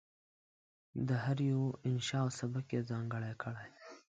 د هر یوه انشأ او سبک یې ځانګړی کړی دی.